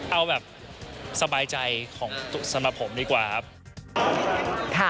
เอาสบายใจสำหรับผมดีกว่าครับ